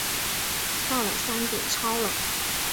到了山顶超冷